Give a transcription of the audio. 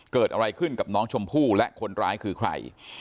เกิดอะไรขึ้นกับน้องชมพู่และคนร้ายคือใคร